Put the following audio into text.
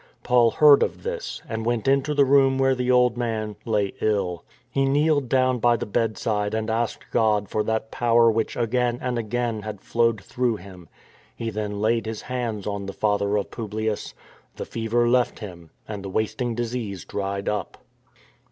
Paul heard of this and went into the room where the old man lay ill. He kneeled down by the bedside and asked God for that power which again and again had flowed through him. He then laid his hands on the father of Publius; the fever left him and the wasting disease dried up.